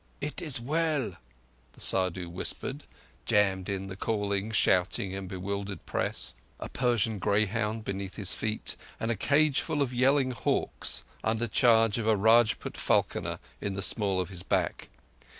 "It is well", the Saddhu whispered, jammed in the calling, shouting, bewildered press—a Persian greyhound between his feet and a cageful of yelling hawks under charge of a Rajput falconer in the small of his back.